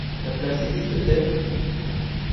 La place existe-t-elle ?